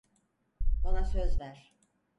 Bana söz ver.